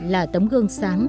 là tấm gương sáng